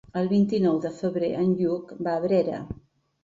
El vint-i-nou de febrer en Lluc va a Abrera.